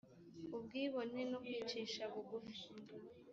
ubwibone no kwicisha bugufi